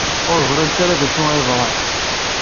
Ur ẓrint ara d acu ay yeḍran.